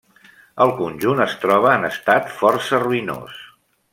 El conjunt es troba en estat força ruïnós.